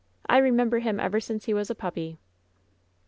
I remember him ever since he was a puppy."